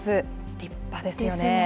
立派ですよね。